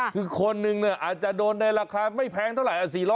คือคนนึงอาจจะโดนในราคาไม่แพงเท่าไหร่